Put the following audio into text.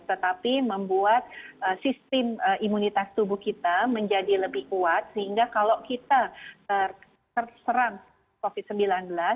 tetapi membuat sistem imunitas tubuh kita menjadi lebih kuat sehingga kalau kita terserang covid sembilan belas